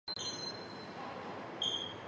赵南星作墓志铭。